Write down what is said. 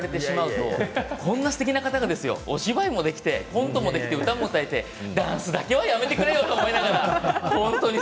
こんなすてきな方でお芝居もできて歌もできて、ダンスだけはやめてくれよと思いました。